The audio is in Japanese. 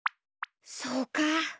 そうか！